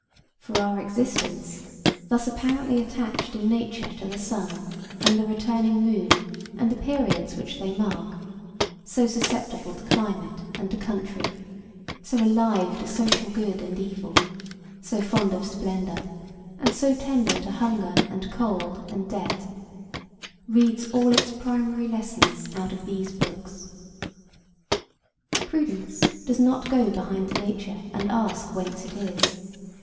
For our existence, thus apparently attached in nature to the sun and the returning moon and the periods which they mark,—so susceptible to climate and to country, so alive to social good and evil, so fond of splendor and so tender to hunger and cold and debt,—reads all its primary lessons out of these books. Prudence does not go behind nature and ask whence it is.